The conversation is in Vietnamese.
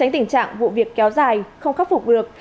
tình trạng vụ việc kéo dài không khắc phục được